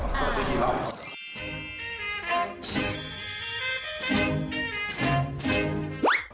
สวัสดีคล่อง